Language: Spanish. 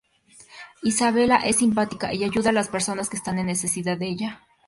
Isabella es simpática y ayuda a las personas que están en necesidad de ella.